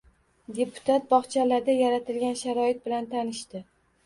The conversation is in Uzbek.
Deputat bog‘chalarda yaratilgan sharoit bilan tanishdi